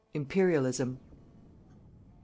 IMPERIALISM. Mr.